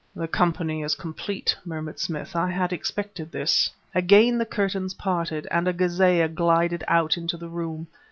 "The company is complete," murmured Smith. "I had expected this." Again the curtains parted, and a ghazeeyeh glided out into the room.